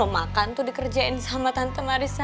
makan tuh dikerjain sama tante marisa